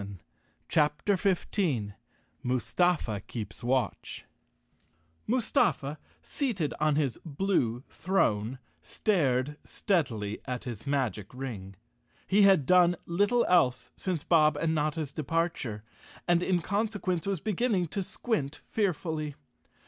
201 CHAPTER 15 Mustafa Keeps Watch M USTAEA, seated on his blue throne, stared steadily at his magic ring. He had done little else since Bob and Notta's departure, and in conse¬ quence was beginning to squint fearfully.